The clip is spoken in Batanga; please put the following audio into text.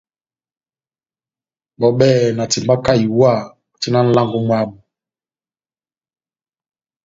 Bɔ́ bɛ́hɛ́pi na timbaka iwa ó tina nʼlango mwábu.